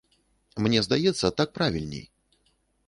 Мне здаецца, так правільней.